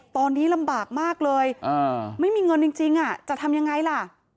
ตอนนี้ลำบากมากเลยไม่มีเงินจริงจะทำยังไงล่ะ